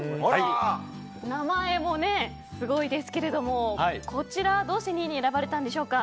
名前もすごいですけれどもこちら、どうして２位に選ばれたんでしょうか。